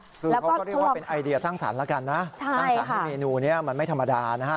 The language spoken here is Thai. คือเขาก็เรียกว่าเป็นไอเดียสร้างสรรค์แล้วกันนะสร้างสรรค์ให้เมนูนี้มันไม่ธรรมดานะฮะ